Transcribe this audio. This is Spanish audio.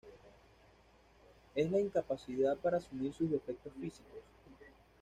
Es la incapacidad para asumir sus defectos físicos.